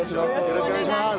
よろしくお願いします。